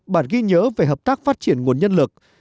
bản ghi nhớ về hợp tác phát triển nguồn nhân lực